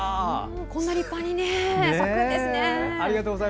こんなに立派に咲くんですね。